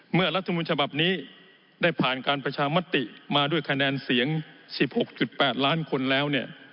รัฐมนต์ฉบับนี้ได้ผ่านการประชามติมาด้วยคะแนนเสียง๑๖๘ล้านคนแล้วเนี่ย